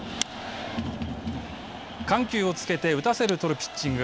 緩急をつけて打たせて取るピッチング。